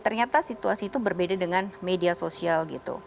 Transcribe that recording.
ternyata situasi itu berbeda dengan media sosial gitu